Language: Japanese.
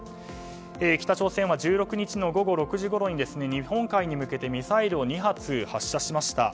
北朝鮮は１６日の午後６時ごろに日本海に向けてミサイルを２発発射しました。